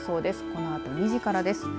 このあと２時からです。